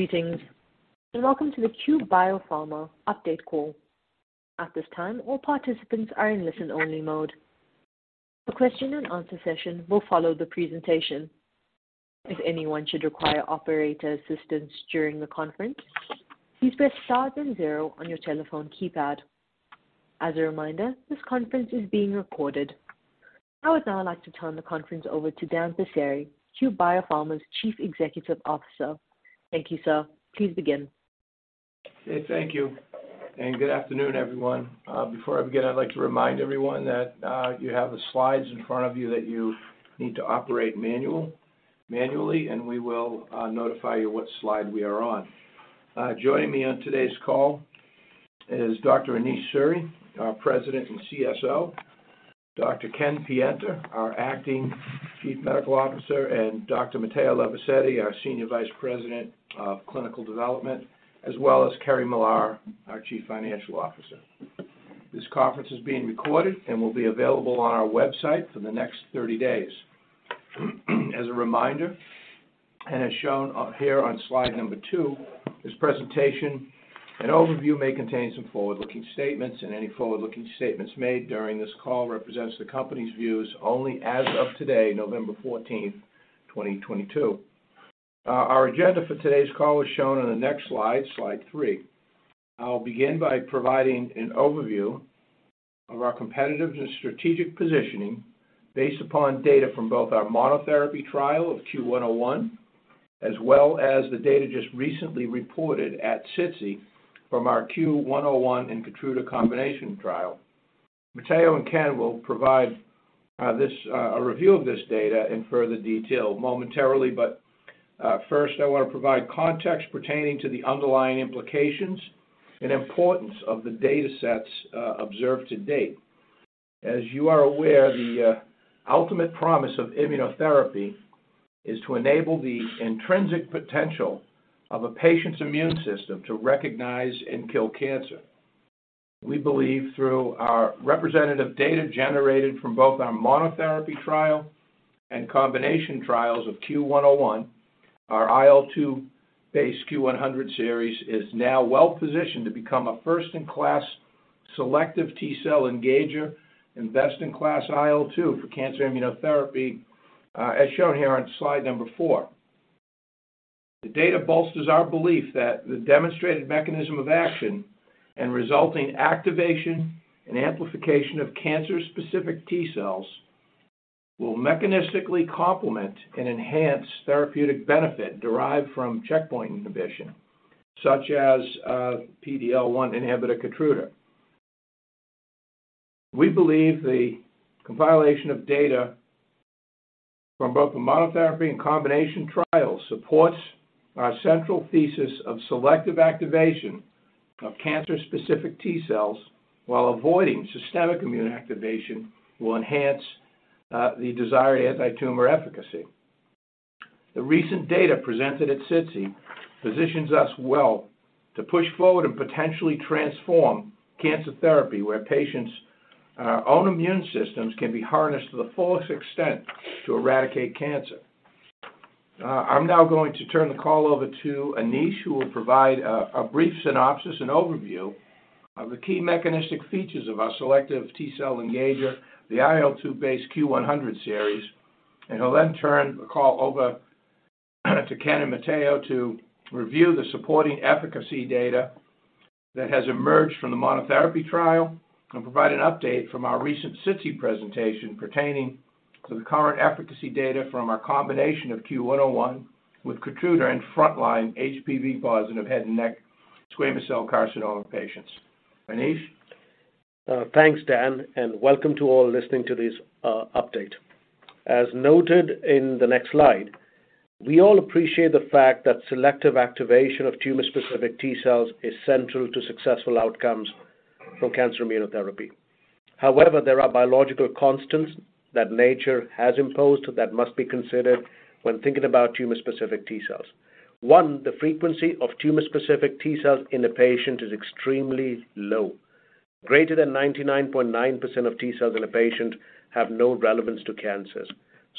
Greetings, and welcome to the Cue Biopharma update call. At this time, all participants are in listen-only mode. A question and answer session will follow the presentation. If anyone should require operator assistance during the conference, please press star then zero on your telephone keypad. As a reminder, this conference is being recorded. I would now like to turn the conference over to Daniel Passeri, Cue Biopharma's Chief Executive Officer. Thank you, sir. Please begin. Okay, thank you, and good afternoon, everyone. Before I begin, I'd like to remind everyone that you have the slides in front of you that you need to operate manually, and we will notify you what slide we are on. Joining me on today's call is Dr. Anish Suri, our President and CSO, Dr. Kenneth Pienta, our acting Chief Medical Officer, and Dr. Matteo Levisetti, our Senior Vice President of Clinical Development, as well as Kerri-Ann Millar, our Chief Financial Officer. This conference is being recorded and will be available on our website for the next 30 days. As a reminder, and as shown here on slide number two, this presentation and overview may contain some forward-looking statements, and any forward-looking statements made during this call represents the company's views only as of today, November 14th, 2022. Our agenda for today's call is shown on the next slide three. I'll begin by providing an overview of our competitive and strategic positioning based upon data from both our monotherapy trial of CUE-101, as well as the data just recently reported at SITC from our CUE-101 in Keytruda combination trial. Matteo and Ken will provide a review of this data in further detail momentarily. First, I want to provide context pertaining to the underlying implications and importance of the datasets observed to date. As you are aware, the ultimate promise of immunotherapy is to enable the intrinsic potential of a patient's immune system to recognize and kill cancer. We believe through our representative data generated from both our monotherapy trial and combination trials of CUE-101, our IL-2-based CUE-100 series is now well-positioned to become a first-in-class selective T-cell engager and best-in-class IL-2 for cancer immunotherapy, as shown here on slide number four. The data bolsters our belief that the demonstrated mechanism of action and resulting activation and amplification of cancer-specific T cells will mechanistically complement and enhance therapeutic benefit derived from checkpoint inhibition, such as, PD-L1 inhibitor Keytruda. We believe the compilation of data from both the monotherapy and combination trials supports our central thesis of selective activation of cancer-specific T cells while avoiding systemic immune activation will enhance the desired antitumor efficacy. The recent data presented at SITC positions us well to push forward and potentially transform cancer therapy where patients' own immune systems can be harnessed to the fullest extent to eradicate cancer. I'm now going to turn the call over to Anish, who will provide a brief synopsis and overview of the key mechanistic features of our selective T-cell engager, the IL-2-based CUE-100 series, and he'll then turn the call over to Ken and Matteo to review the supporting efficacy data that has emerged from the monotherapy trial and provide an update from our recent SITC presentation pertaining to the current efficacy data from our combination of CUE-101 with Keytruda in front-line HPV-positive head and neck squamous cell carcinoma patients. Anish. Thanks, Dan, and welcome to all listening to this update. As noted in the next slide, we all appreciate the fact that selective activation of tumor-specific T cells is central to successful outcomes for cancer immunotherapy. However, there are biological constants that nature has imposed that must be considered when thinking about tumor-specific T cells. One, the frequency of tumor-specific T cells in a patient is extremely low. Greater than 99.9% of T cells in a patient have no relevance to cancers.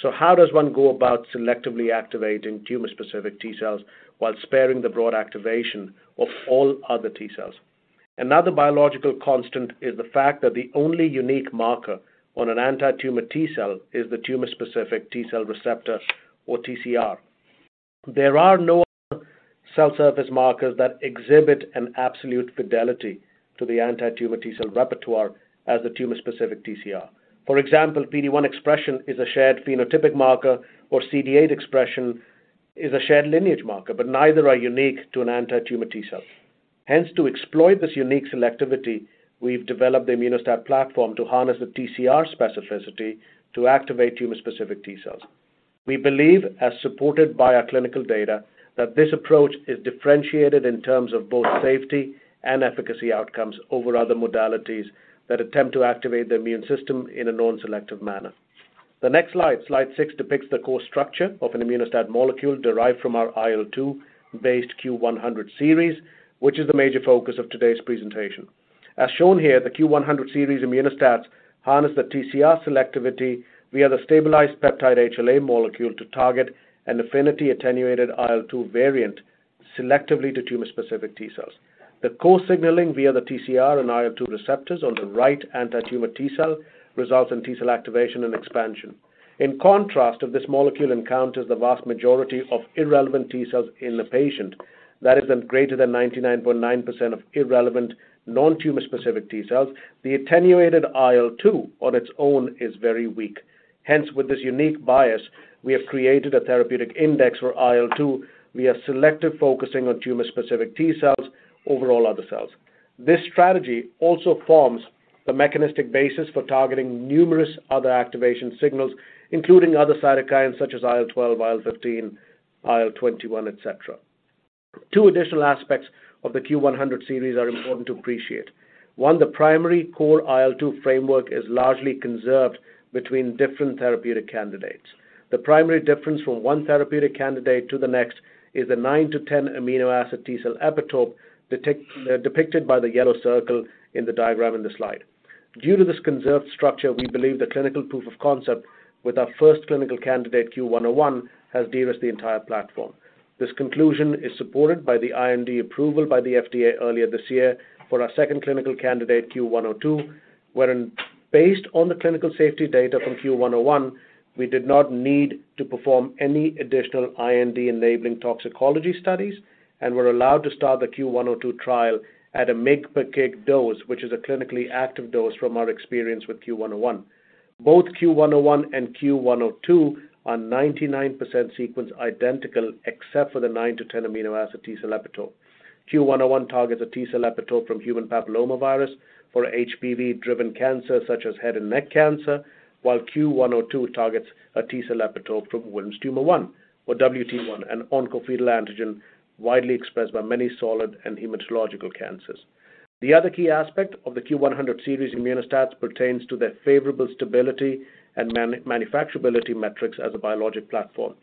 So how does one go about selectively activating tumor-specific T cells while sparing the broad activation of all other T cells? Another biological constant is the fact that the only unique marker on an antitumor T-cell is the tumor-specific T-cell receptor or TCR. There are no other cell surface markers that exhibit an absolute fidelity to the antitumor T-cell repertoire as the tumor-specific TCR. For example, PD-1 expression is a shared phenotypic marker, or CD8 expression is a shared lineage marker, but neither are unique to an antitumor T-cell. Hence, to exploit this unique selectivity, we've developed the Immuno-STAT platform to harness the TCR specificity to activate tumor-specific T cells. We believe, as supported by our clinical data, that this approach is differentiated in terms of both safety and efficacy outcomes over other modalities that attempt to activate the immune system in a non-selective manner. The next slide 6, depicts the core structure of an Immuno-STAT molecule derived from our IL-2-based CUE-100 series, which is the major focus of today's presentation. As shown here, the CUE-100 series Immuno-STATs harness the TCR selectivity via the stabilized peptide HLA molecule to target an affinity-attenuated IL-2 variant selectively to tumor-specific T cells. The co-signaling via the TCR and IL-2 receptors on the right antitumor T cell results in T cell activation and expansion. In contrast, if this molecule encounters the vast majority of irrelevant T cells in the patient, that is then greater than 99.9% of irrelevant non-tumor specific T cells, the attenuated IL-2 on its own is very weak. Hence, with this unique bias, we have created a therapeutic index for IL-2 via selective focusing on tumor-specific T cells over all other cells. This strategy also forms the mechanistic basis for targeting numerous other activation signals, including other cytokines such as IL-12, IL-15, IL-21, et cetera. Two additional aspects of the CUE-100 series are important to appreciate. One, the primary core IL-2 framework is largely conserved between different therapeutic candidates. The primary difference from one therapeutic candidate to the next is the 9-10 amino acid T cell epitope depicted by the yellow circle in the diagram in the slide. Due to this conserved structure, we believe the clinical proof of concept with our first clinical candidate, CUE-101, has de-risked the entire platform. This conclusion is supported by the IND approval by the FDA earlier this year for our second clinical candidate, CUE-102, wherein based on the clinical safety data from CUE-101, we did not need to perform any additional IND-enabling toxicology studies and were allowed to start the CUE-102 trial at a mg per kg dose, which is a clinically active dose from our experience with CUE-101. Both CUE-101 and CUE-102 are 99% sequence identical except for the 9-10 amino acid T cell epitope. CUE-101 targets a T cell epitope from human papillomavirus for HPV-driven cancers such as head and neck cancer, while CUE-102 targets a T cell epitope from Wilms' tumor 1 or WT1, an oncofetal antigen widely expressed by many solid and hematological cancers. The other key aspect of the CUE-100 series Immuno-STATs pertains to their favorable stability and manufacturability metrics as a biologic platform.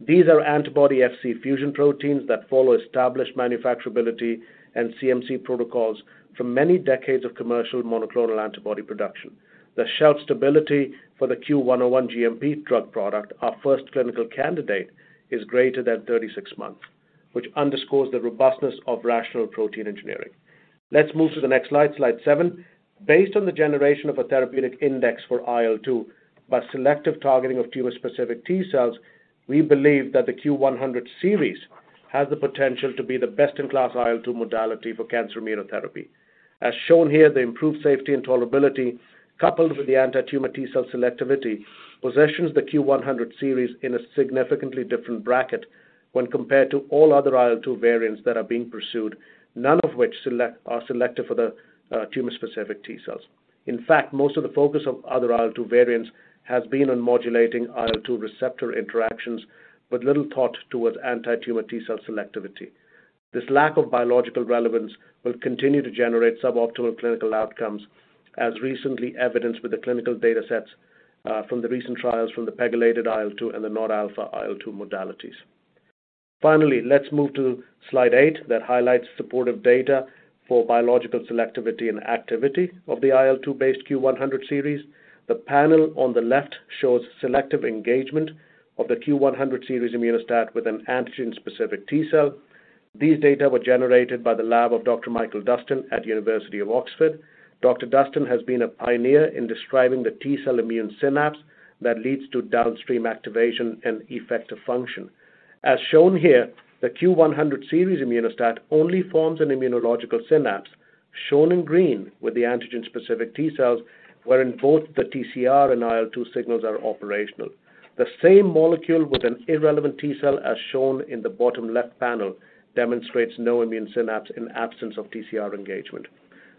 These are antibody Fc-fusion proteins that follow established manufacturability and CMC protocols for many decades of commercial monoclonal antibody production. The shelf stability for the CUE-101 GMP drug product, our first clinical candidate, is greater than 36 months, which underscores the robustness of rational protein engineering. Let's move to the next slide seven. Based on the generation of a therapeutic index for IL-2 by selective targeting of tumor-specific T cells, we believe that the CUE-100 series has the potential to be the best in class IL-2 modality for cancer immunotherapy. As shown here, the improved safety and tolerability, coupled with the anti-tumor T cell selectivity, positions the CUE-100 series in a significantly different bracket when compared to all other IL-2 variants that are being pursued, none of which are selective for the tumor-specific T cells. In fact, most of the focus of other IL-2 variants has been on modulating IL-2 receptor interactions with little thought towards anti-tumor T cell selectivity. This lack of biological relevance will continue to generate suboptimal clinical outcomes, as recently evidenced with the clinical datasets from the recent trials from the pegylated IL-2 and the non-alpha IL-2 modalities. Finally, let's move to slide eight that highlights supportive data for biological selectivity and activity of the IL-2-based CUE-100 series. The panel on the left shows selective engagement of the CUE-100 series Immuno-STAT with an antigen-specific T cell. These data were generated by the lab of Dr. Michael Dustin at University of Oxford. Dr. Dustin has been a pioneer in describing the T cell immune synapse that leads to downstream activation and effective function. As shown here, the CUE-100 series Immuno-STAT only forms an immunological synapse, shown in green, with the antigen-specific T cells, wherein both the TCR and IL-2 signals are operational. The same molecule with an irrelevant T cell, as shown in the bottom left panel, demonstrates no immune synapse in absence of TCR engagement.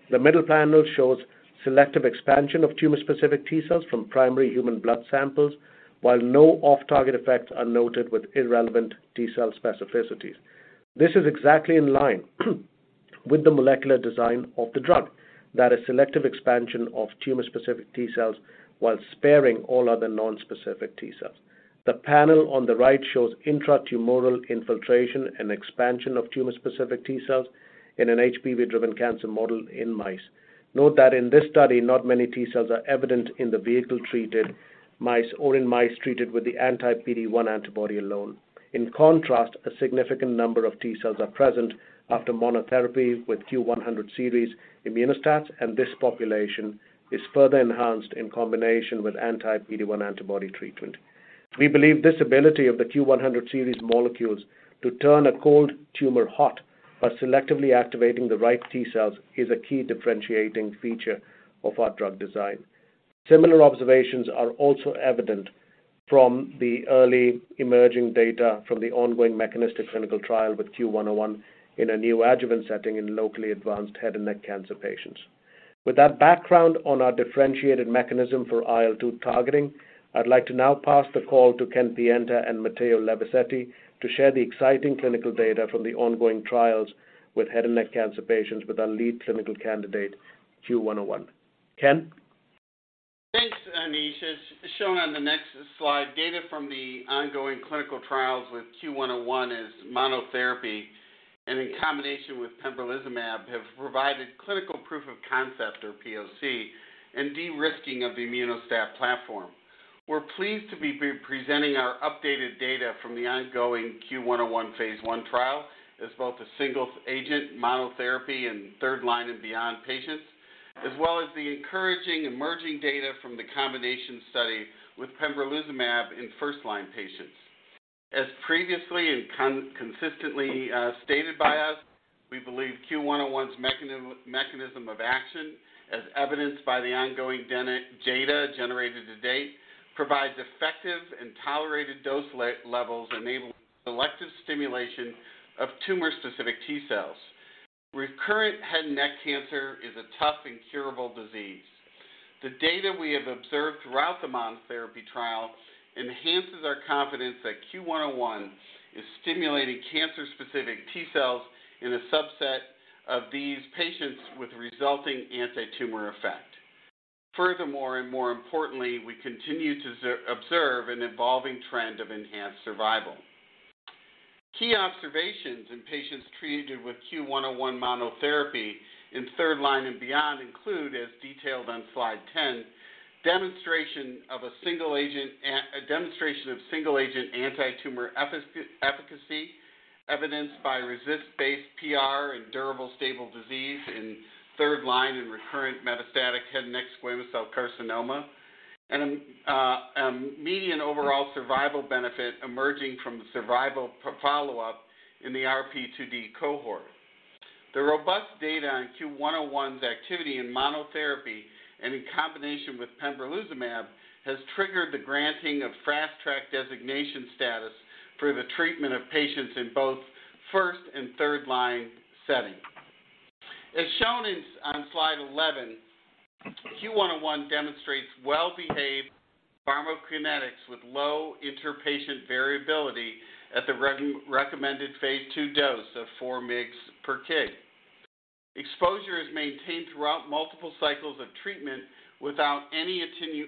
The middle panel shows selective expansion of tumor-specific T cells from primary human blood samples, while no off-target effects are noted with irrelevant T cell specificities. This is exactly in line with the molecular design of the drug, that is selective expansion of tumor-specific T cells while sparing all other nonspecific T cells. The panel on the right shows intratumoral infiltration and expansion of tumor-specific T cells in an HPV-driven cancer model in mice. Note that in this study, not many T cells are evident in the vehicle-treated mice or in mice treated with the anti-PD-1 antibody alone. In contrast, a significant number of T cells are present after monotherapy with CUE-100 series Immuno-STATs, and this population is further enhanced in combination with anti-PD-1 antibody treatment. We believe this ability of the CUE-100 series molecules to turn a cold tumor hot by selectively activating the right T cells is a key differentiating feature of our drug design. Similar observations are also evident from the early emerging data from the ongoing mechanistic clinical trial with CUE-101 in a neo-adjuvant setting in locally advanced head and neck cancer patients. With that background on our differentiated mechanism for IL-2 targeting, I'd like to now pass the call to Ken Pienta and Matteo Levisetti to share the exciting clinical data from the ongoing trials with head and neck cancer patients with our lead clinical candidate, CUE-101. Ken? Thanks, Anish. As shown on the next slide, data from the ongoing clinical trials with CUE-101 as monotherapy and in combination with pembrolizumab have provided clinical proof of concept or POC and de-risking of the Immuno-STAT platform. We're pleased to be presenting our updated data from the ongoing CUE-101 phase I trial as both a single agent monotherapy in third line and beyond patients, as well as the encouraging emerging data from the combination study with pembrolizumab in first-line patients. As previously and consistently stated by us, we believe CUE-101's mechanism of action, as evidenced by the ongoing data generated to date, provides effective and tolerated dose levels enabling selective stimulation of tumor-specific T cells. Recurrent head and neck cancer is a tough and incurable disease. The data we have observed throughout the monotherapy trial enhances our confidence that CUE-101 is stimulating cancer-specific T cells in a subset of these patients with resulting antitumor effect. Furthermore, and more importantly, we continue to observe an evolving trend of enhanced survival. Key observations in patients treated with CUE-101 monotherapy in third line and beyond include, as detailed on slide 10, demonstration of single agent antitumor efficacy evidenced by RECIST-based PR and durable stable disease in third line and recurrent metastatic head and neck squamous cell carcinoma, and a median overall survival benefit emerging from the survival follow-up in the RP2D cohort. The robust data on CUE-101's activity in monotherapy and in combination with pembrolizumab has triggered the granting of Fast Track designation status for the treatment of patients in both first- and third-line settings. As shown on slide 11, CUE-101 demonstrates well-behaved pharmacokinetics with low inter-patient variability at the recommended phase II dose of 4 mg/kg. Exposure is maintained throughout multiple cycles of treatment without any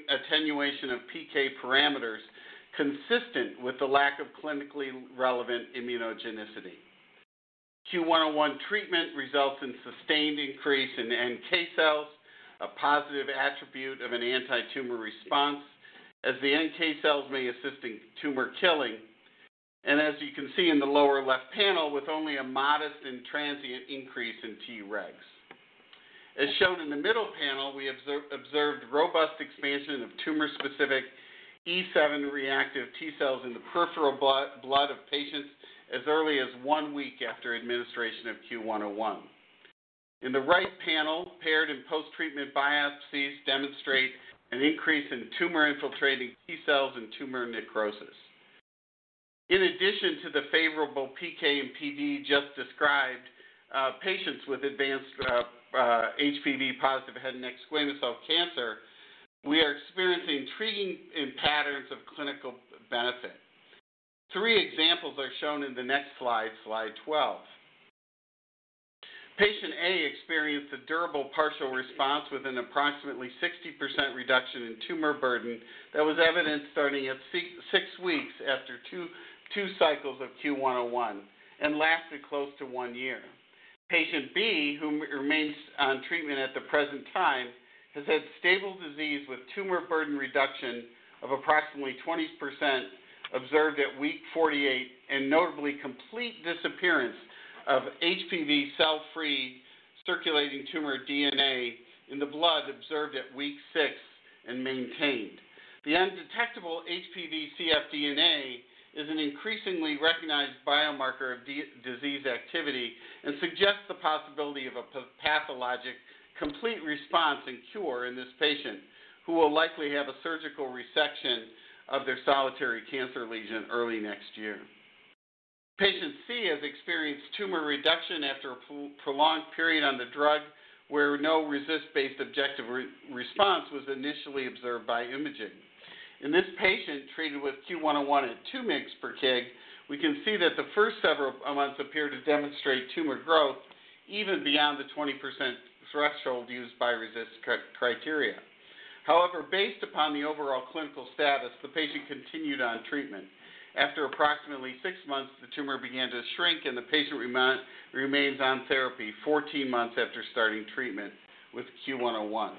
attenuation of PK parameters consistent with the lack of clinically relevant immunogenicity. CUE-101 treatment results in sustained increase in NK cells, a positive attribute of an antitumor response as the NK cells may assist in tumor killing, and as you can see in the lower left panel, with only a modest and transient increase in Tregs. As shown in the middle panel, we observed robust expansion of tumor-specific E7-reactive T cells in the peripheral blood of patients as early as one week after administration of CUE-101. In the right panel, paired and post-treatment biopsies demonstrate an increase in tumor-infiltrating T cells and tumor necrosis. In addition to the favorable PK and PD just described, patients with advanced HPV positive head and neck squamous cell cancer, we are experiencing intriguing patterns of clinical benefit. Three examples are shown in the next slide 12. Patient A experienced a durable partial response with an approximately 60% reduction in tumor burden that was evident starting at six weeks after two cycles of CUE-101 and lasted close to one year. Patient B, who remains on treatment at the present time, has had stable disease with tumor burden reduction of approximately 20% observed at week 48 and notably complete disappearance of HPV cell-free circulating tumor DNA in the blood observed at week six and maintained. The undetectable HPV cfDNA is an increasingly recognized biomarker of disease activity and suggests the possibility of a pathologic complete response and cure in this patient, who will likely have a surgical resection of their solitary cancer lesion early next year. Patient C has experienced tumor reduction after a prolonged period on the drug where no RECIST-based objective response was initially observed by imaging. In this patient treated with CUE-101 at 2 mg/kg, we can see that the first several months appear to demonstrate tumor growth even beyond the 20% threshold used by RECIST criteria. However, based upon the overall clinical status, the patient continued on treatment. After approximately six months, the tumor began to shrink, and the patient remains on therapy 14 months after starting treatment with CUE-101.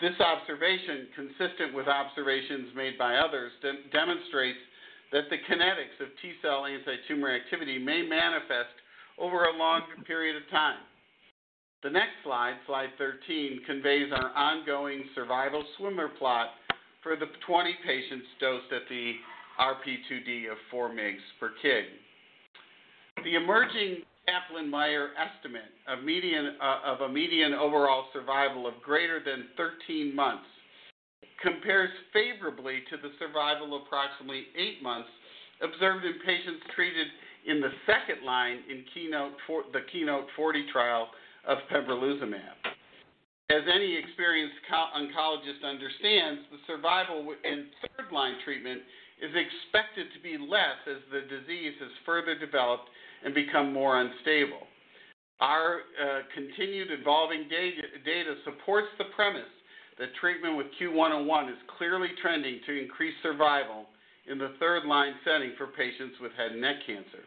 This observation, consistent with observations made by others, demonstrates that the kinetics of T-cell antitumor activity may manifest over a longer period of time. The next slide 13, conveys our ongoing survival Swimmer plot for the 20 patients dosed at the RP2D of 4 mg per kg. The emerging Kaplan-Meier estimate of median overall survival of greater than 13 months compares favorably to the survival approximately eight months observed in patients treated in the second line in KEYNOTE-040 trial of pembrolizumab. As any experienced oncologist understands, the survival within third-line treatment is expected to be less as the disease has further developed and become more unstable. Our continued evolving data supports the premise that treatment with CUE-101 is clearly trending to increase survival in the third-line setting for patients with head and neck cancer.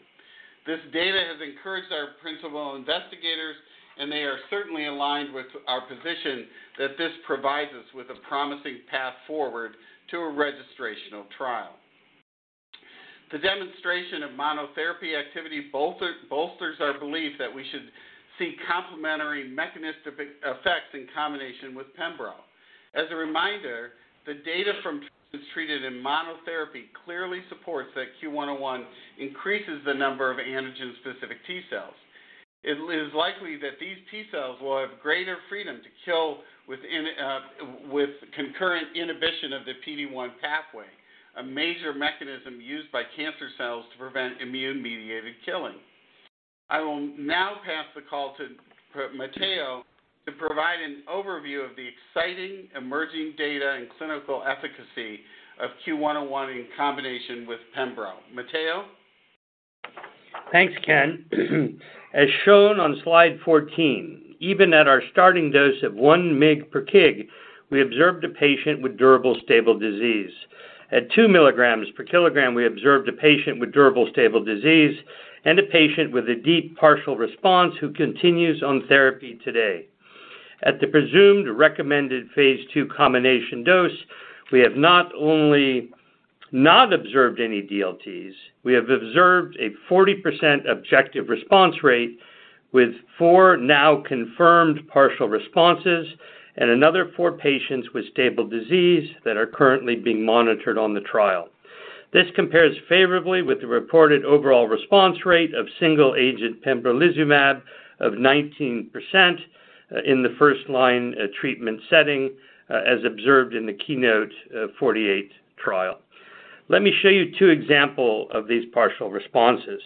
This data has encouraged our principal investigators, and they are certainly aligned with our position that this provides us with a promising path forward to a registrational trial. The demonstration of monotherapy activity bolsters our belief that we should see complementary mechanistic effects in combination with pembro. As a reminder, the data from patients treated in monotherapy clearly supports that CUE-101 increases the number of antigen-specific T cells. It is likely that these T cells will have greater freedom to kill within a with concurrent inhibition of the PD-1 pathway, a major mechanism used by cancer cells to prevent immune-mediated killing. I will now pass the call to Matteo to provide an overview of the exciting emerging data and clinical efficacy of CUE-101 in combination with pembro. Matteo. Thanks, Ken. As shown on slide 14, even at our starting dose of 1 mg per kg, we observed a patient with durable stable disease. At 2 milligrams per kilogram, we observed a patient with durable stable disease and a patient with a deep partial response who continues on therapy today. At the presumed recommended phase II combination dose, we have not only not observed any DLTs, we have observed a 40% objective response rate with four now confirmed partial responses and another four patients with stable disease that are currently being monitored on the trial. This compares favorably with the reported overall response rate of single-agent pembrolizumab of 19% in the first-line treatment setting as observed in the KEYNOTE-048 trial. Let me show you two examples of these partial responses.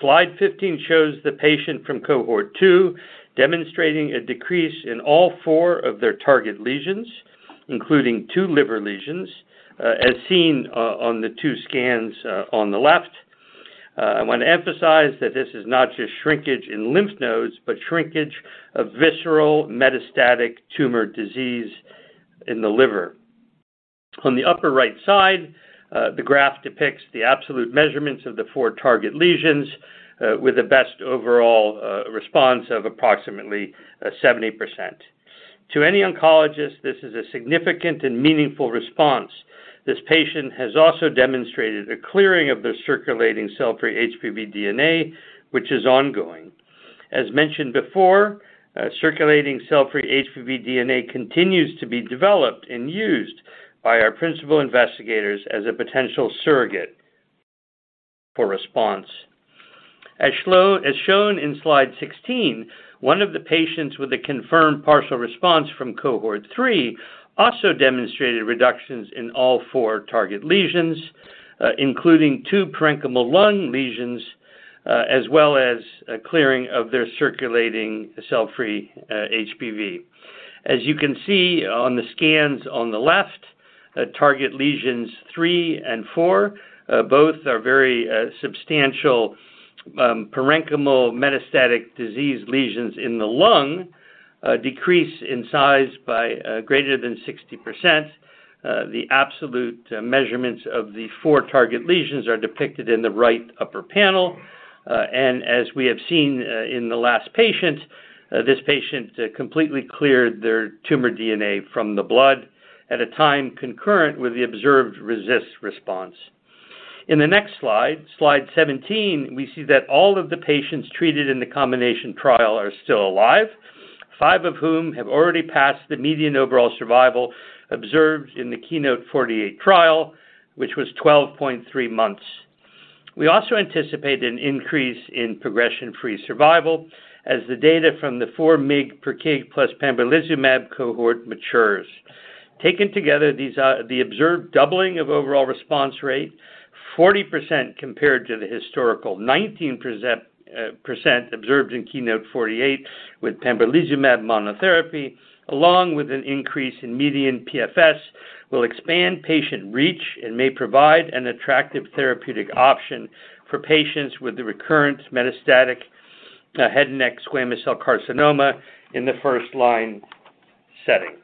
Slide 15 shows the patient from cohort 2 demonstrating a decrease in all four of their target lesions, including two liver lesions, as seen on the two scans on the left. I want to emphasize that this is not just shrinkage in lymph nodes, but shrinkage of visceral metastatic tumor disease in the liver. On the upper right side, the graph depicts the absolute measurements of the four target lesions with the best overall response of approximately 70%. To any oncologist, this is a significant and meaningful response. This patient has also demonstrated a clearing of the circulating cell-free HPV DNA, which is ongoing. As mentioned before, circulating cell-free HPV DNA continues to be developed and used by our principal investigators as a potential surrogate for response. As shown in slide 16, one of the patients with a confirmed partial response from cohort 3 also demonstrated reductions in all four target lesions, including two parenchymal lung lesions, as well as a clearing of their HPV cfDNA. As you can see on the scans on the left, target lesions three and four, both are very substantial parenchymal metastatic disease lesions in the lung, decrease in size by greater than 60%. The absolute measurements of the four target lesions are depicted in the right upper panel. As we have seen, in the last patient, this patient completely cleared their tumor DNA from the blood at a time concurrent with the observed RECIST response. In the next slide 17, we see that all of the patients treated in the combination trial are still alive, five of whom have already passed the median overall survival observed in the KEYNOTE-048 trial, which was 12.3 months. We also anticipate an increase in progression-free survival as the data from the 4 mg per kg plus pembrolizumab cohort matures. Taken together, these, the observed doubling of overall response rate, 40% compared to the historical 19% observed in KEYNOTE-048 with pembrolizumab monotherapy, along with an increase in median PFS, will expand patient reach and may provide an attractive therapeutic option for patients with the recurrent metastatic head and neck squamous cell carcinoma in the first-line setting.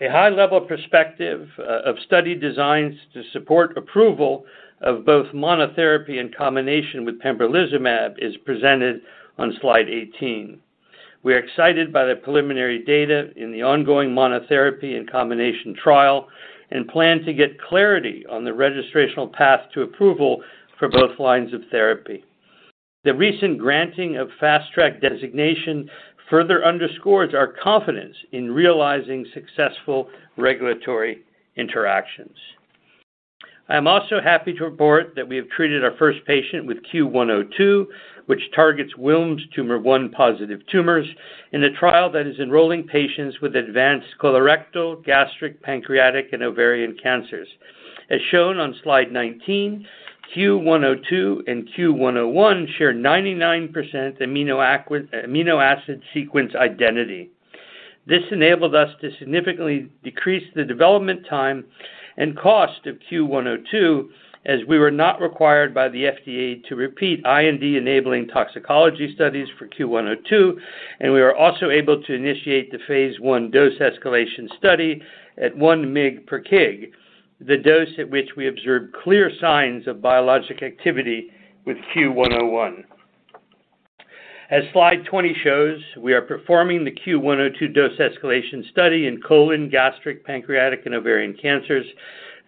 A high-level perspective of study designs to support approval of both monotherapy and combination with pembrolizumab is presented on slide 18. We are excited by the preliminary data in the ongoing monotherapy and combination trial and plan to get clarity on the registrational path to approval for both lines of therapy. The recent granting of Fast Track designation further underscores our confidence in realizing successful regulatory interactions. I am also happy to report that we have treated our first patient with CUE-102, which targets Wilms' tumor one positive tumors in a trial that is enrolling patients with advanced colorectal, gastric, pancreatic, and ovarian cancers. As shown on slide 19, CUE-102 and CUE-101 share 99% amino acid sequence identity. This enabled us to significantly decrease the development time and cost of CUE-102, as we were not required by the FDA to repeat IND-enabling toxicology studies for CUE-102. We were also able to initiate the phase I dose escalation study at 1 mg per kg, the dose at which we observed clear signs of biologic activity with CUE-101. As slide 20 shows, we are performing the CUE-102 dose escalation study in colon, gastric, pancreatic and ovarian cancers.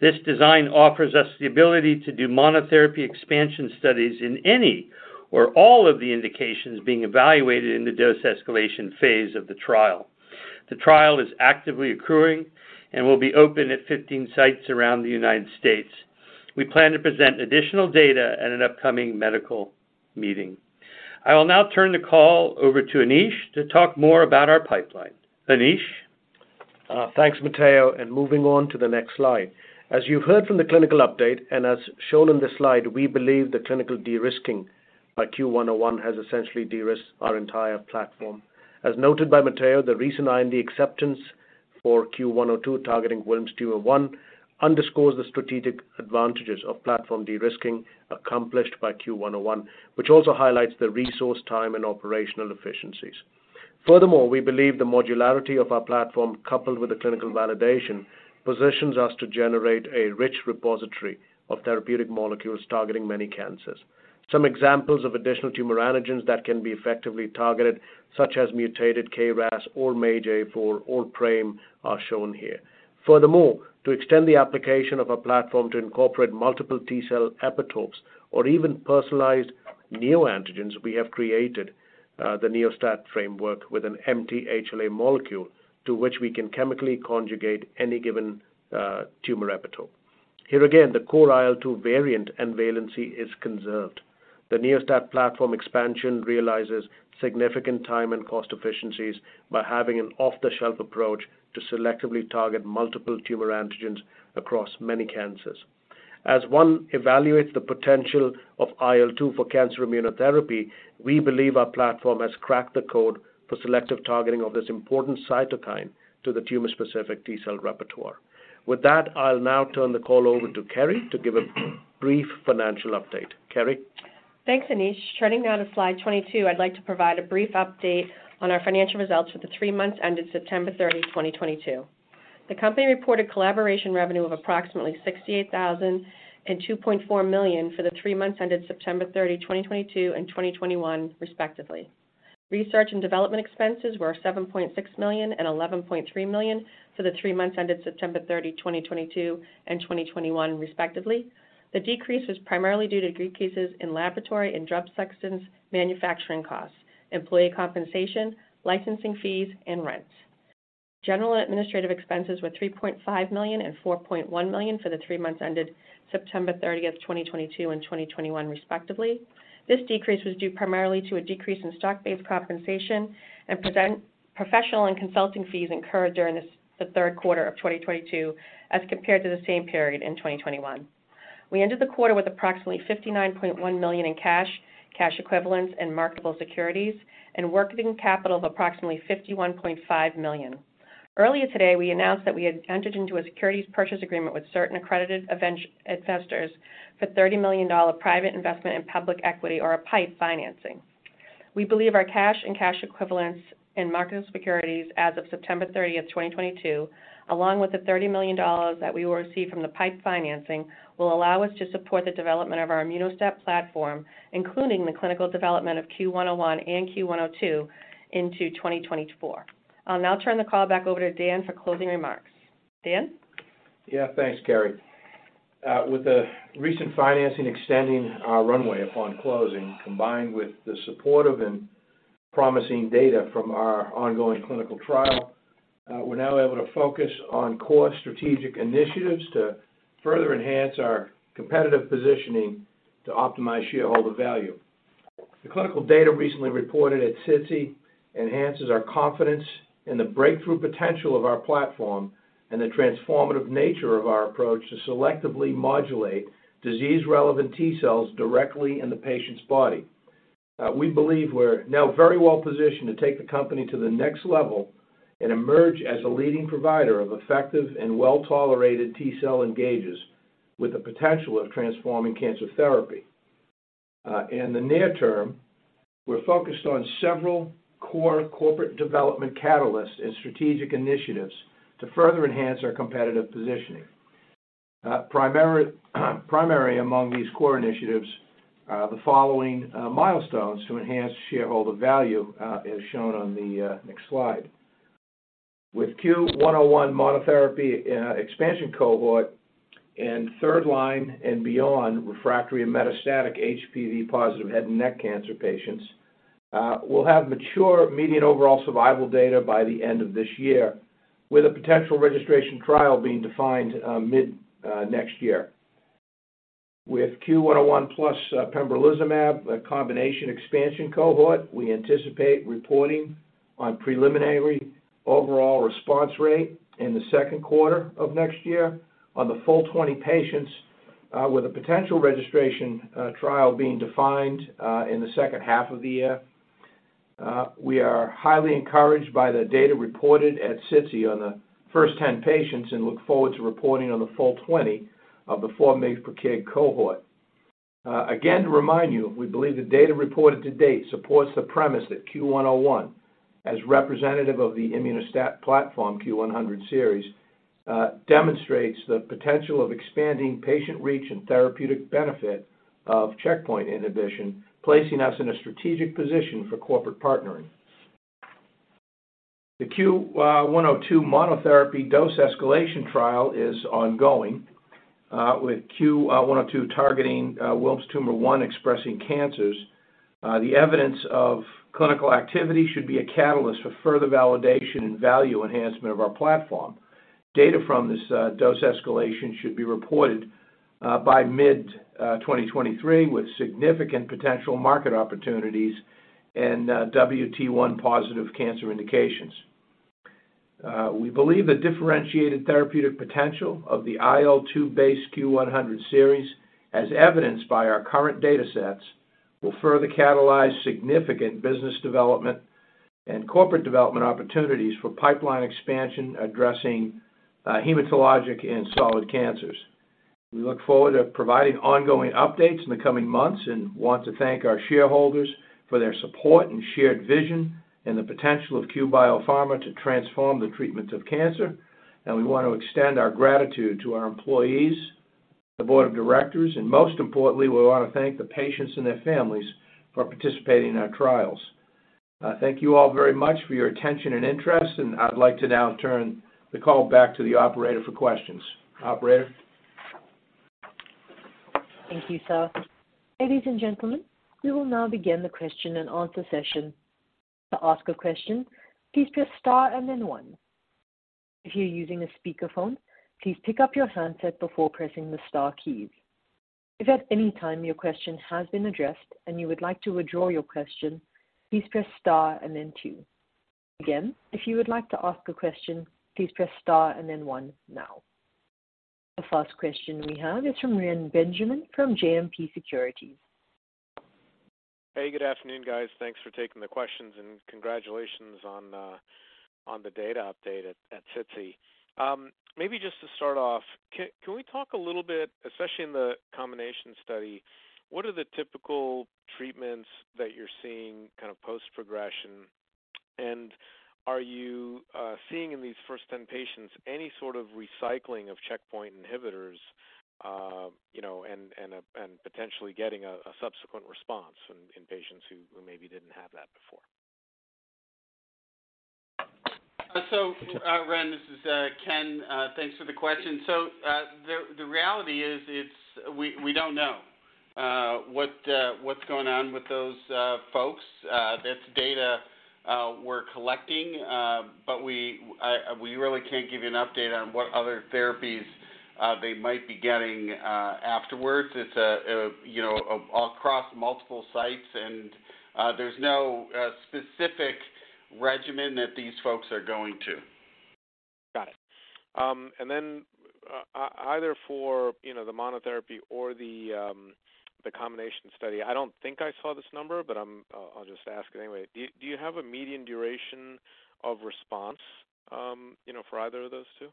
This design offers us the ability to do monotherapy expansion studies in any or all of the indications being evaluated in the dose escalation phase of the trial. The trial is actively accruing and will be open at 15 sites around the United States. We plan to present additional data at an upcoming medical meeting. I will now turn the call over to Anish to talk more about our pipeline. Anish? Thanks, Matteo, moving on to the next slide. As you've heard from the clinical update, and as shown in this slide, we believe the clinical de-risking by CUE-101 has essentially de-risked our entire platform. As noted by Matteo, the recent IND acceptance for CUE-102 targeting Wilms' tumor one underscores the strategic advantages of platform de-risking accomplished by CUE-101, which also highlights the resource time and operational efficiencies. Furthermore, we believe the modularity of our platform, coupled with the clinical validation, positions us to generate a rich repository of therapeutic molecules targeting many cancers. Some examples of additional tumor antigens that can be effectively targeted, such as mutated KRAS or MAGE-A4 or PRAME, are shown here. Furthermore, to extend the application of our platform to incorporate multiple T-cell epitopes or even personalized neoantigens, we have created the Neo-STAT framework with an empty HLA molecule to which we can chemically conjugate any given tumor epitope. Here again, the core IL-2 variant and valency is conserved. The Neo-STAT platform expansion realizes significant time and cost efficiencies by having an off-the-shelf approach to selectively target multiple tumor antigens across many cancers. As one evaluates the potential of IL-2 for cancer immunotherapy, we believe our platform has cracked the code for selective targeting of this important cytokine to the tumor-specific T-cell repertoire. With that, I'll now turn the call over to Kerri to give a brief financial update. Kerri? Thanks, Anish. Turning now to slide 22, I'd like to provide a brief update on our financial results for the three months ended September 30th, 2022. The company reported collaboration revenue of approximately $68,000 and $2.4 million for the three months ended September 30th, 2022 and 2021 respectively. Research and development expenses were $7.6 million and $11.3 million for the three months ended September 30th, 2022 and 2021 respectively. The decrease was primarily due to decreases in laboratory and drug substance manufacturing costs, employee compensation, licensing fees and rent. General and administrative expenses were $3.5 million and $4.1 million for the three months ended September 30th, 2022 and 2021 respectively. This decrease was due primarily to a decrease in stock-based compensation and decreased professional and consulting fees incurred during the third quarter of 2022 as compared to the same period in 2021. We ended the quarter with approximately $59.1 million in cash equivalents and marketable securities, and working capital of approximately $51.5 million. Earlier today, we announced that we had entered into a securities purchase agreement with certain accredited investors for $30 million private investment in public equity, or a PIPE financing. We believe our cash and cash equivalents and marketable securities as of September 30th, 2022, along with the $30 million that we will receive from the PIPE financing, will allow us to support the development of our Immuno-STAT platform, including the clinical development of CUE-101 and CUE-102 into 2024. I'll now turn the call back over to Dan for closing remarks. Dan? Yeah. Thanks, Kerri. With the recent financing extending our runway upon closing, combined with the supportive and promising data from our ongoing clinical trial, we're now able to focus on core strategic initiatives to further enhance our competitive positioning to optimize shareholder value. The clinical data recently reported at SITC enhances our confidence in the breakthrough potential of our platform and the transformative nature of our approach to selectively modulate disease-relevant T cells directly in the patient's body. We believe we're now very well positioned to take the company to the next level and emerge as a leading provider of effective and well-tolerated T-cell engagers with the potential of transforming cancer therapy. In the near term, we're focused on several core corporate development catalysts and strategic initiatives to further enhance our competitive positioning. Primary among these core initiatives are the following milestones to enhance shareholder value, as shown on the next slide. With CUE-101 monotherapy, expansion cohort in third line and beyond refractory and metastatic HPV positive head and neck cancer patients, we'll have mature median overall survival data by the end of this year, with a potential registration trial being defined mid next year. With CUE-101 plus pembrolizumab, a combination expansion cohort, we anticipate reporting on preliminary overall response rate in the second quarter of next year on the full 20 patients, with a potential registration trial being defined in the second half of the year. We are highly encouraged by the data reported at SITC on the first 10 patients and look forward to reporting on the full 20 of the 4 mg/kg cohort. Again, to remind you, we believe the data reported to date supports the premise that CUE-101 as representative of the Immuno-STAT platform CUE-100 series demonstrates the potential of expanding patient reach and therapeutic benefit of checkpoint inhibition, placing us in a strategic position for corporate partnering. The CUE-102 monotherapy dose escalation trial is ongoing, with CUE-102 targeting Wilms' tumor one expressing cancers. The evidence of clinical activity should be a catalyst for further validation and value enhancement of our platform. Data from this dose escalation should be reported by mid-2023, with significant potential market opportunities and WT1 positive cancer indications. We believe the differentiated therapeutic potential of the IL-2-based CUE-100 series, as evidenced by our current datasets, will further catalyze significant business development and corporate development opportunities for pipeline expansion addressing hematologic and solid cancers. We look forward to providing ongoing updates in the coming months and want to thank our shareholders for their support and shared vision in the potential of Cue Biopharma to transform the treatment of cancer. We want to extend our gratitude to our employees, the board of directors, and most importantly, we want to thank the patients and their families for participating in our trials. Thank you all very much for your attention and interest, and I'd like to now turn the call back to the operator for questions. Operator? Thank you, sir. Ladies and gentlemen, we will now begin the question and answer session. To ask a question, please press star and then one. If you're using a speakerphone, please pick up your handset before pressing the star keys. If at any time your question has been addressed and you would like to withdraw your question, please press star and then two. Again, if you would like to ask a question, please press star and then one now. The first question we have is from Reni Benjamin from JMP Securities. Hey, good afternoon, guys. Thanks for taking the questions and congratulations on the data update at SITC. Maybe just to start off, can we talk a little bit, especially in the combination study, what are the typical treatments that you're seeing kind of post-progression? Are you seeing in these first 10 patients any sort of recycling of checkpoint inhibitors, you know, and potentially getting a subsequent response in patients who maybe didn't have that before? Reni, this is Kenneth. Thanks for the question. The reality is we don't know what's going on with those folks. That's data we're collecting, but we really can't give you an update on what other therapies they might be getting afterwards. It's you know across multiple sites, and there's no specific regimen that these folks are going to. Got it. Either for, you know, the monotherapy or the combination study, I don't think I saw this number, but I'll just ask it anyway. Do you have a median duration of response, you know, for either of those two?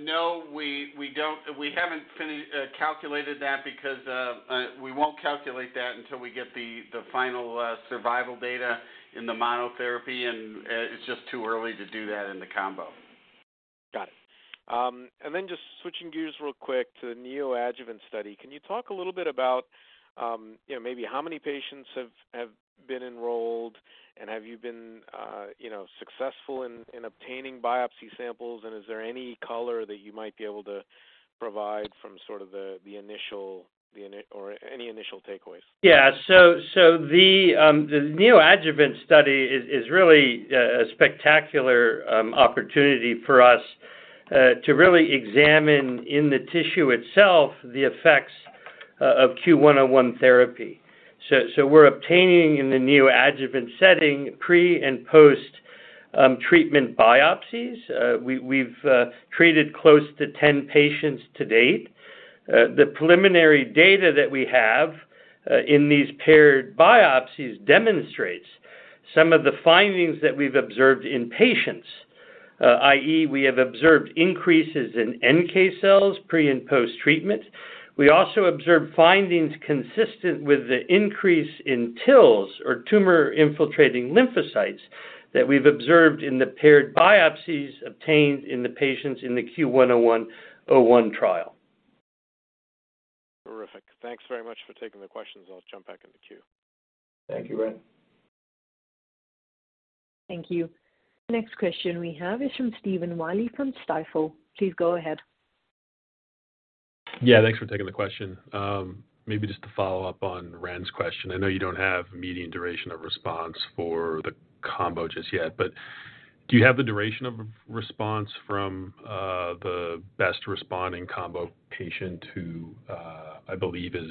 No, we don't. We haven't calculated that because we won't calculate that until we get the final survival data in the monotherapy, and it's just too early to do that in the combo. Got it. Just switching gears real quick to the neoadjuvant study. Can you talk a little bit about, you know, maybe how many patients have been enrolled, and have you been, you know, successful in obtaining biopsy samples? Is there any color that you might be able to provide from sort of the initial or any initial takeaways? The neoadjuvant study is really a spectacular opportunity for us to really examine in the tissue itself the effects of CUE-101 therapy. We're obtaining in the neoadjuvant setting pre- and post-treatment biopsies. We've treated close to 10 patients to date. The preliminary data that we have in these paired biopsies demonstrates some of the findings that we've observed in patients, i.e. we have observed increases in NK cells pre- and post-treatment. We also observed findings consistent with the increase in TILs or tumor-infiltrating lymphocytes that we've observed in the paired biopsies obtained in the patients in the CUE-101-01 trial. Terrific. Thanks very much for taking the questions. I'll jump back in the queue. Thank you, Reni. Thank you. Next question we have is from Stephen Willey from Stifel. Please go ahead. Yeah, thanks for taking the question. Maybe just to follow up on Ren's question. I know you don't have a median duration of response for the combo just yet, but do you have the duration of response from the best responding combo patient who I believe is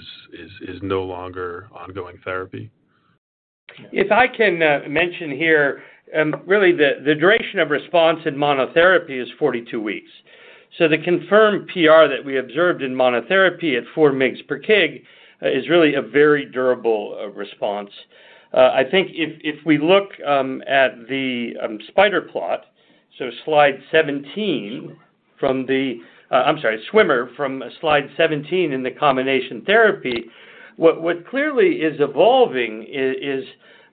no longer ongoing therapy? If I can mention here, really the duration of response in monotherapy is 42 weeks. The confirmed PR that we observed in monotherapy at 4 mg per kg is really a very durable response. I think if we look at the swimmer plot from slide 17 in the combination therapy. What clearly is evolving is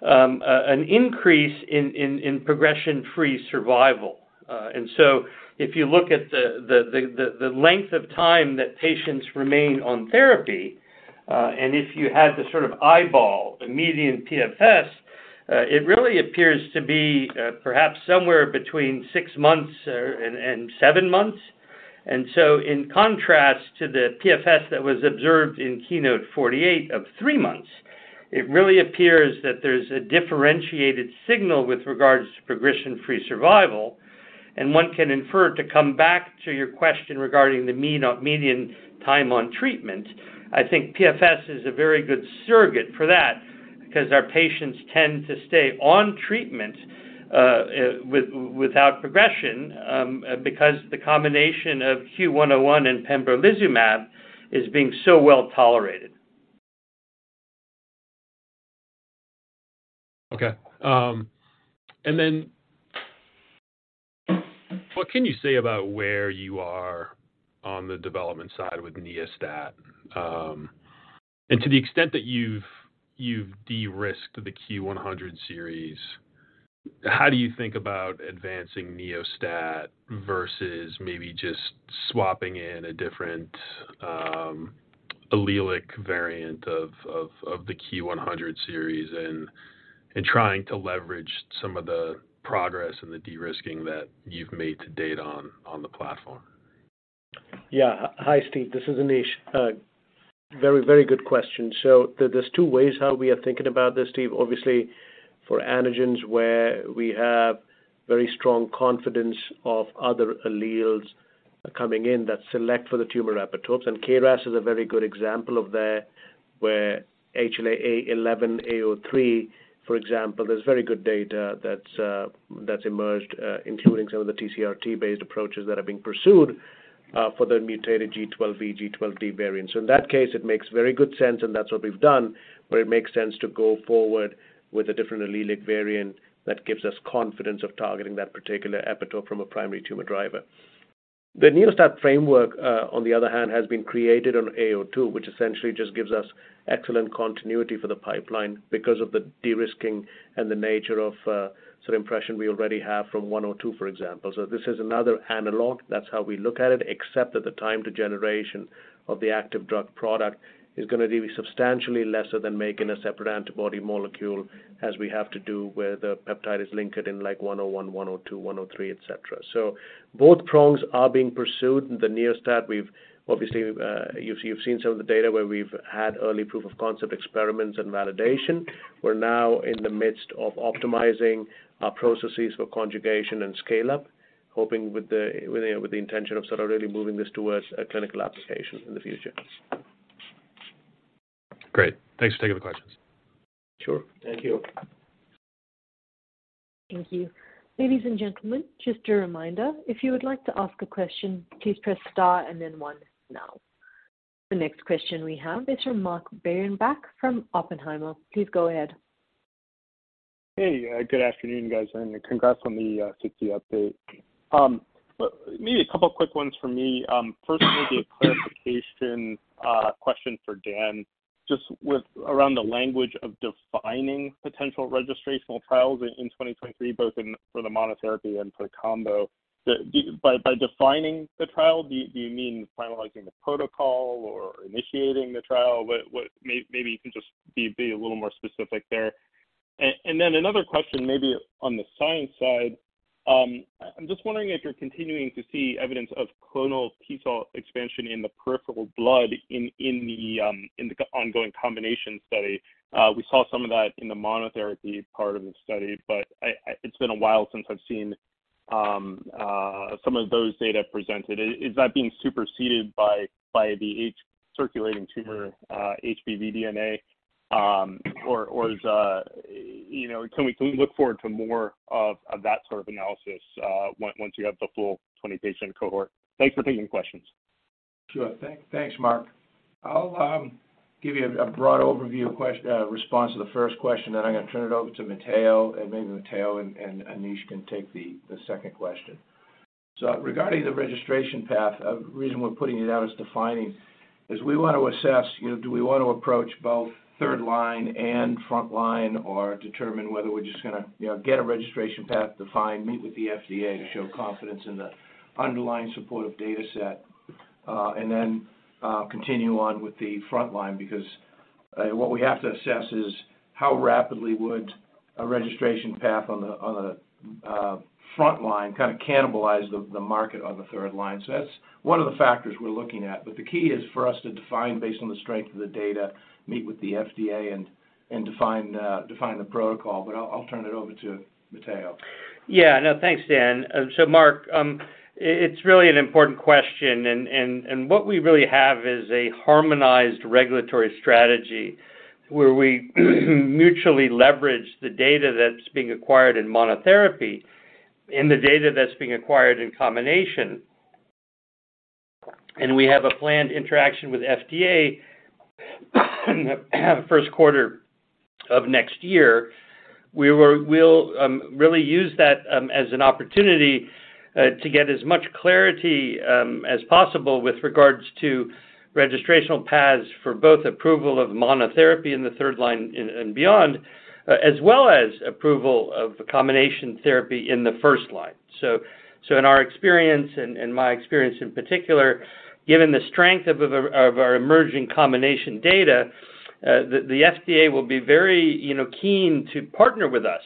an increase in progression-free survival. If you look at the length of time that patients remain on therapy, and if you had to sort of eyeball the median PFS, it really appears to be perhaps somewhere between six months and seven months. In contrast to the PFS that was observed in KEYNOTE-048 of three months, it really appears that there's a differentiated signal with regards to progression-free survival, and one can infer, to come back to your question regarding the median time on treatment. I think PFS is a very good surrogate for that 'cause our patients tend to stay on treatment without progression because the combination of CUE-101 and pembrolizumab is being so well-tolerated. Okay. What can you say about where you are on the development side with Neo-STAT? To the extent that you've de-risked the CUE-100 series, how do you think about advancing Neo-STAT versus maybe just swapping in a different allelic variant of the CUE-100 series and trying to leverage some of the progress and the de-risking that you've made to date on the platform? Yeah. Hi Steve, this is Anish. Very, very good question. There, there's two ways how we are thinking about this, Steve. Obviously, for antigens where we have very strong confidence of other alleles coming in that select for the tumor epitopes, and KRAS is a very good example of that, where HLA A11:03, for example, there's very good data that's emerged, including some of the TCR-T-based approaches that are being pursued, for the mutated G12V/G12D variants. In that case, it makes very good sense, and that's what we've done, where it makes sense to go forward with a different allelic variant that gives us confidence of targeting that particular epitope from a primary tumor driver. The Neo-STAT framework, on the other hand, has been created on A02, which essentially just gives us excellent continuity for the pipeline because of the de-risking and the nature of, sort of expression we already have from 102, for example. This is another analog. That's how we look at it, except that the time to generation of the active drug product is gonna be substantially lesser than making a separate antibody molecule, as we have to do where the peptide is linked in like 101, 102, 103, et cetera. Both prongs are being pursued. The Neo-STAT, we've obviously, you've seen some of the data where we've had early proof of concept experiments and validation. We're now in the midst of optimizing our processes for conjugation and scale-up, hoping with the intention of sort of really moving this towards a clinical application in the future. Great. Thanks for taking the questions. Sure. Thank you. Thank you. Ladies and gentlemen, just a reminder, if you would like to ask a question, please press star and then one now. The next question we have is from Mark Breidenbach from Oppenheimer. Please go ahead. Hey, good afternoon, guys, and congrats on the Citi update. Maybe a couple quick ones from me. First, maybe a clarification question for Dan, just around the language of defining potential registrational trials in 2023, both for the monotherapy and for combo. By defining the trial, do you mean finalizing the protocol or initiating the trial? Maybe you can just be a little more specific there. Then another question maybe on the science side. I'm just wondering if you're continuing to see evidence of clonal T cell expansion in the peripheral blood in the ongoing combination study. We saw some of that in the monotherapy part of the study, but it's been a while since I've seen some of those data presented. Is that being superseded by the HPV circulating tumor DNA? Or is, you know, can we look forward to more of that sort of analysis of one, once you have the full 20 patient cohort? Thanks for taking the questions. Sure. Thanks, Mark. I'll give you a broad overview response to the first question, then I'm gonna turn it over to Matteo, and maybe Matteo and Anish can take the second question. Regarding the registration path, the reason we're putting it out as defining is we want to assess, you know, do we want to approach both third line and front line or determine whether we're just gonna, you know, get a registration path defined, meet with the FDA to show confidence in the underlying supportive data set, and then continue on with the front line. Because what we have to assess is how rapidly would a registration path on the front line kind of cannibalize the market on the third line. That's one of the factors we're looking at. The key is for us to define based on the strength of the data, meet with the FDA and define the protocol. I'll turn it over to Matteo. Yeah. No, thanks, Dan. Mark, it's really an important question and what we really have is a harmonized regulatory strategy where we mutually leverage the data that's being acquired in monotherapy and the data that's being acquired in combination. We have a planned interaction with FDA in the first quarter of next year. We will really use that as an opportunity to get as much clarity as possible with regards to registrational paths for both approval of monotherapy in the third line and beyond as well as approval of the combination therapy in the first line. In our experience and my experience in particular, given the strength of our emerging combination data, the FDA will be very, you know, keen to partner with us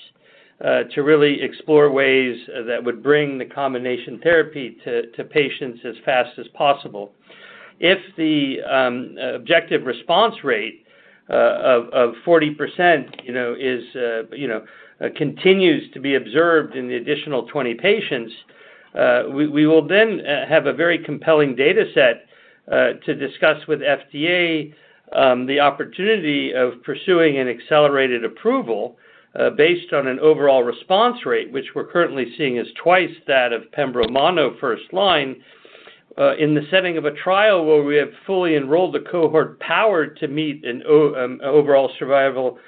to really explore ways that would bring the combination therapy to patients as fast as possible. If the objective response rate of 40%, you know, continues to be observed in the additional 20 patients, we will then have a very compelling data set to discuss with FDA the opportunity of pursuing an accelerated approval based on an overall response rate, which we're currently seeing is twice that of pembro mono first line in the setting of a trial where we have fully enrolled the cohort powered to meet an overall survival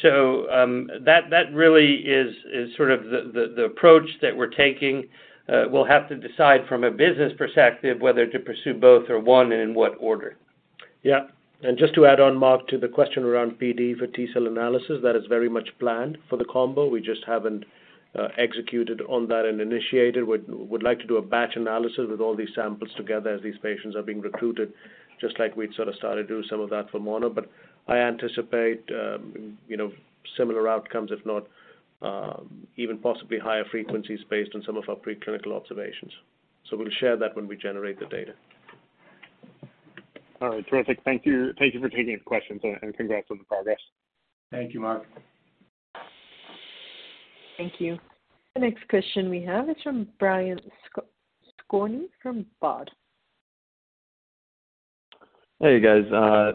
co-primary. That really is sort of the approach that we're taking. We'll have to decide from a business perspective whether to pursue both or one and in what order. Yeah. Just to add on, Mark, to the question around PD for T-cell analysis, that is very much planned for the combo. We just haven't executed on that and initiated. We'd like to do a batch analysis with all these samples together as these patients are being recruited, just like we'd sort of started doing some of that for mono. I anticipate you know, similar outcomes, if not even possibly higher frequencies based on some of our preclinical observations. We'll share that when we generate the data. All right. Terrific. Thank you. Thank you for taking the questions, and congrats on the progress. Thank you, Mark. Thank you. The next question we have is from Brian Skorney from Baird. Hey, guys.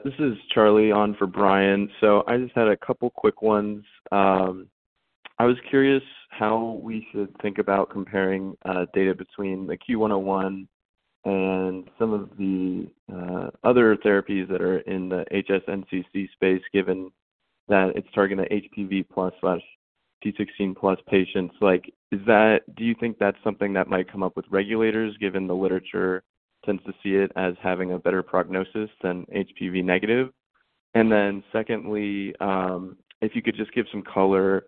This is Charlie on for Brian Skorney. I just had a couple quick ones. I was curious how we should think about comparing data between the CUE-101 and some of the other therapies that are in the HNSCC space, given that it's targeting the HPV+/p16+ patients. Like, do you think that's something that might come up with regulators, given the literature tends to see it as having a better prognosis than HPV-negative? Secondly, if you could just give some color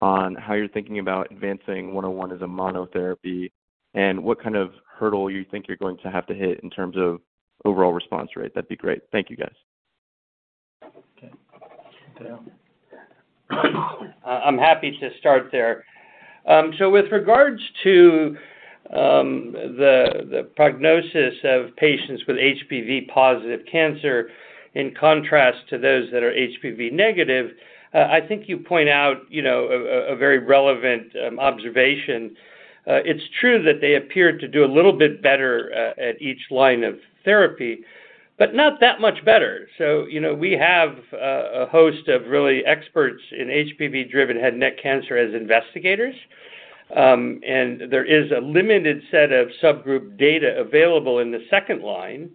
on how you're thinking about advancing CUE-101 as a monotherapy and what kind of hurdle you think you're going to have to hit in terms of overall response rate. That'd be great. Thank you, guys. Okay. Matteo? I'm happy to start there. With regards to the prognosis of patients with HPV positive cancer in contrast to those that are HPV negative, I think you point out, you know, a very relevant observation. It's true that they appear to do a little bit better at each line of therapy, but not that much better. You know, we have a host of real experts in HPV-driven head and neck cancer as investigators. There is a limited set of subgroup data available in the second line.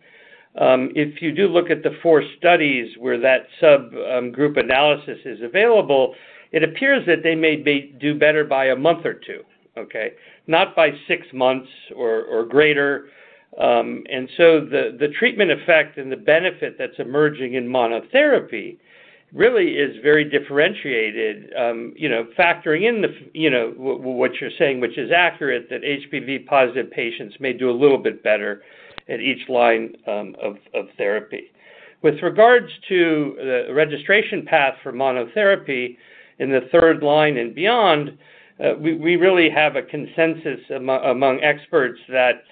If you do look at the four studies where that subgroup analysis is available, it appears that they may do better by a month or two, okay? Not by six months or greater. The treatment effect and the benefit that's emerging in monotherapy really is very differentiated, you know, factoring in what you're saying, which is accurate, that HPV-positive patients may do a little bit better at each line of therapy. With regards to the registration path for monotherapy in the third line and beyond, we really have a consensus among experts that,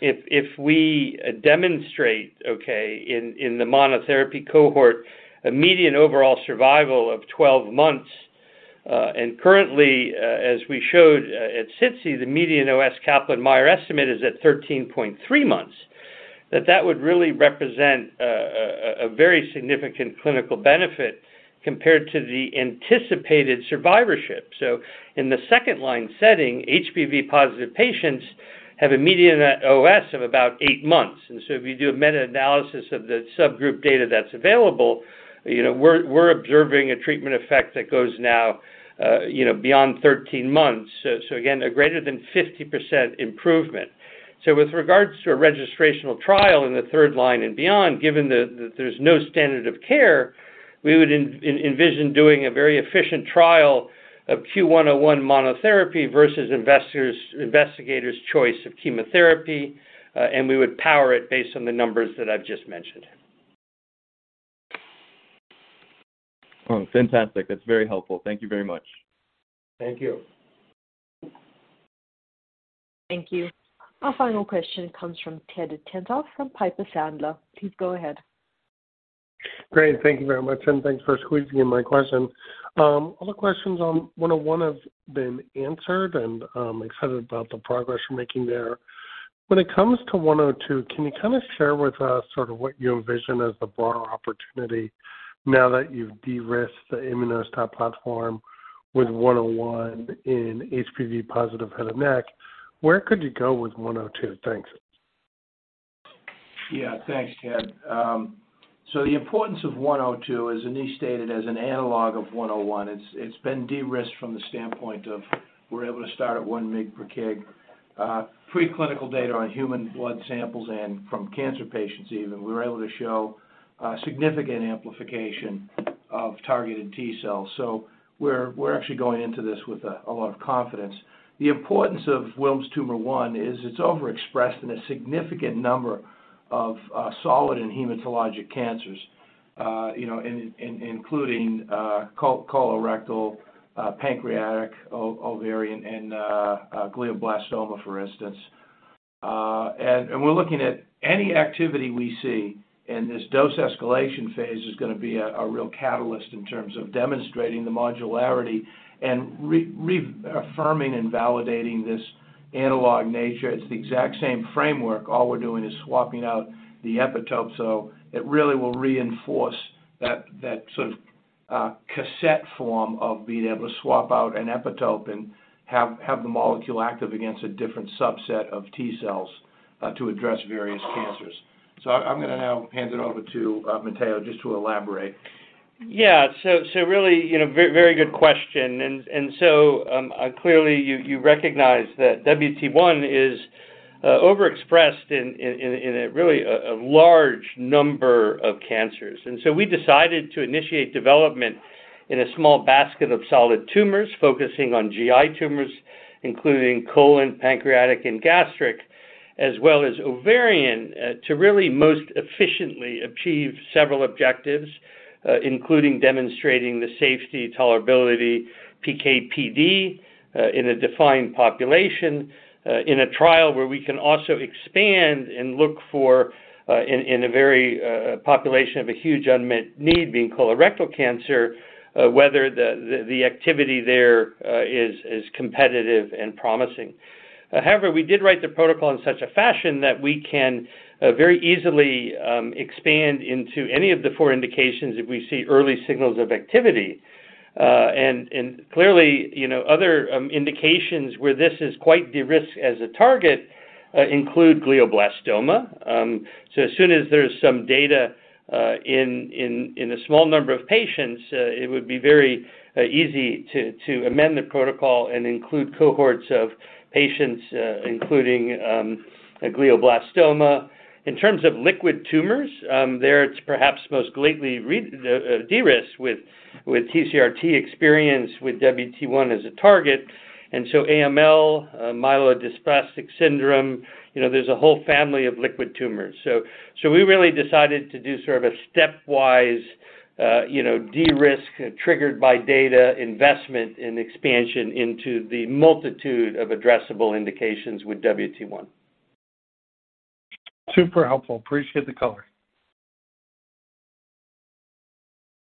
if we demonstrate in the monotherapy cohort a median overall survival of 12 months. Currently, as we showed at SITC, the median OS Kaplan-Meier estimate is at 13.3 months, that would really represent a very significant clinical benefit compared to the anticipated survivorship. In the second line setting, HPV-positive patients have a median OS of about eight months. If you do a meta-analysis of the subgroup data that's available, you know, we're observing a treatment effect that goes now, you know, beyond 13 months. Again, a greater than 50% improvement. With regards to a registrational trial in the third line and beyond, given that there's no standard of care, we would envision doing a very efficient trial of CUE-101 monotherapy versus investigator's choice of chemotherapy, and we would power it based on the numbers that I've just mentioned. Oh, fantastic. That's very helpful. Thank you very much. Thank you. Thank you. Our final question comes from Edward Tenthoff from Piper Sandler. Please go ahead. Great. Thank you very much, and thanks for squeezing in my question. All the questions on CUE-101 have been answered, and I'm excited about the progress you're making there. When it comes to CUE-102, can you kind of share with us sort of what you envision as the broader opportunity now that you've de-risked the Immuno-STAT platform with CUE-101 in HPV-positive head and neck? Where could you go with CUE-102? Thanks. Yeah. Thanks, Ted. The importance of one zero two, as Anish stated, as an analog of one zero one, it's been de-risked from the standpoint of we're able to start at 1 mg per kg. Preclinical data on human blood samples and from cancer patients even, we were able to show significant amplification of targeted T cells. We're actually going into this with a lot of confidence. The importance of Wilms' tumor one is it's overexpressed in a significant number of solid and hematologic cancers, you know, including colorectal, pancreatic, ovarian and glioblastoma, for instance. We're looking at any activity we see in this dose escalation phase is gonna be a real catalyst in terms of demonstrating the modularity and reaffirming and validating this analog nature. It's the exact same framework. All we're doing is swapping out the epitopes. It really will reinforce that sort of cassette form of being able to swap out an epitope and have the molecule active against a different subset of T cells to address various cancers. I'm gonna now hand it over to Matteo just to elaborate. Yeah. Really, you know, very good question. Clearly you recognize that WT1 is overexpressed in a really large number of cancers. We decided to initiate development in a small basket of solid tumors, focusing on GI tumors, including colon, pancreatic, and gastric, as well as ovarian, to really most efficiently achieve several objectives, including demonstrating the safety, tolerability, PK/PD in a defined population, in a trial where we can also expand and look for in a very population of a huge unmet need being colorectal cancer, whether the activity there is competitive and promising. However, we did write the protocol in such a fashion that we can very easily expand into any of the four indications if we see early signals of activity. Clearly, you know, other indications where this is quite de-risked as a target include glioblastoma. As soon as there's some data in a small number of patients, it would be very easy to amend the protocol and include cohorts of patients, including glioblastoma. In terms of liquid tumors, there it's perhaps most greatly de-risked with TCR-T experience with WT1 as a target. AML, myelodysplastic syndrome, you know, there's a whole family of liquid tumors. We really decided to do sort of a stepwise, you know, de-risk triggered by data investment and expansion into the multitude of addressable indications with WT1. Super helpful. Appreciate the color.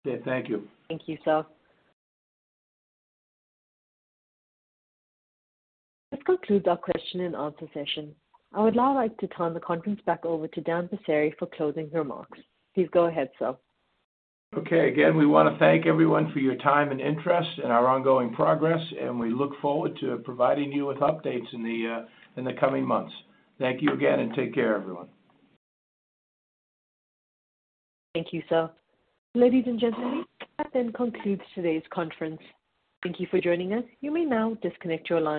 Okay. Thank you. Thank you, sir. This concludes our question and answer session. I would now like to turn the conference back over to Dan Passeri for closing remarks. Please go ahead, sir. Okay. Again, we wanna thank everyone for your time and interest in our ongoing progress, and we look forward to providing you with updates in the coming months. Thank you again, and take care, everyone. Thank you, sir. Ladies and gentlemen, that then concludes today's conference. Thank you for joining us. You may now disconnect your line.